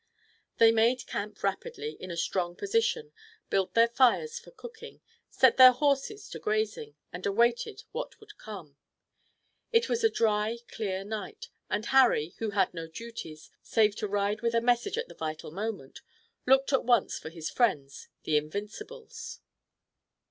They made camp rapidly in a strong position, built their fires for cooking, set their horses to grazing and awaited what would come. It was a dry, clear night, and Harry, who had no duties, save to ride with a message at the vital moment, looked at once for his friends, the Invincibles.